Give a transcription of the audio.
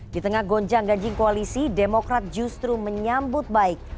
di tengah gonjang gajing koalisi demokrat justru menyambut baik